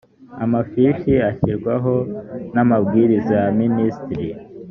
amafishi ashyirwaho n ‘amabwiriza ya minisitiri